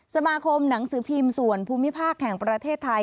สมาคมหนังสือพิมพ์ส่วนภูมิภาคแห่งประเทศไทย